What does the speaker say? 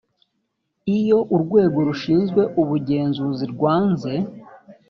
iyo urwego rushinzwe ubugenzuzi rwanze